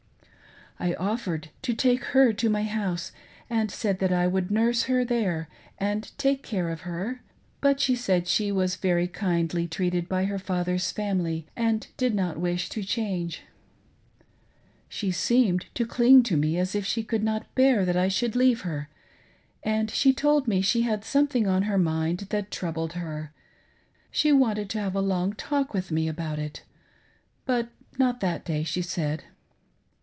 Z offered to take her to my house, and said I would nurse her there and take care of her ; but she said she was very kindly treated by her father's family and did not wish to change. She seemed to cling to me as if she could not bear that I should leave her, and she told me she had something on her mind that troubled her; she wanted to have a long talk vnth mc about it, but not that day* she said.